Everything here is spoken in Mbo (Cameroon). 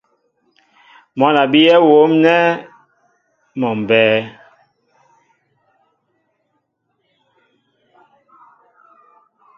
Mwǎn a bíyɛ́ wóm nɛ́ mɔ mbɛ́ɛ́.